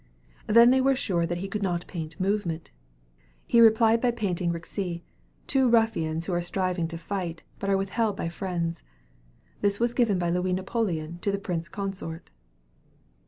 Then they were sure that he could not paint movement. He replied by painting "Rixe," two ruffians who are striving to fight, but are withheld by friends. This was given by Louis Napoleon to the Prince Consort.